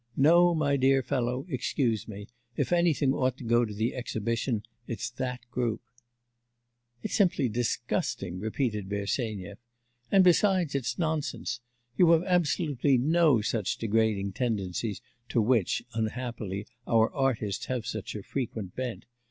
No, my dear fellow, excuse me, if anything ought to go to the exhibition, it's that group.' 'It's simply disgusting,' repeated Bersenyev. 'And besides, it's nonsense. You have absolutely no such degrading tendencies to which, unhappily, our artists have such a frequent bent.